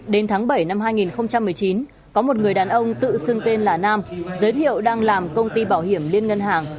đến tháng bảy năm hai nghìn một mươi chín có một người đàn ông tự xưng tên là nam giới thiệu đang làm công ty bảo hiểm liên ngân hàng